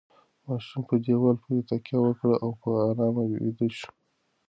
ماشوم په دیوال پورې تکیه وکړه او په ارامۍ ویده شو.